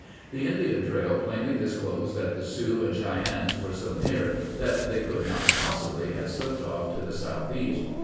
The Indian trail plainly disclosed that the Sioux and Cheyennes were so near that they could not possibly have slipped off to the southeast.